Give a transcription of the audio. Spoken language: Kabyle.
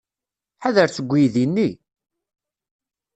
Ḥader seg uydi-nni?